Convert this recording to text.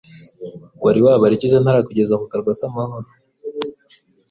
Wari wabara iki se ntarakugeza ku Karwa k'Amahoro.